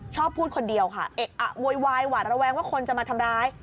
พูดคนเดียวค่ะเอะอะโวยวายหวาดระแวงว่าคนจะมาทำร้าย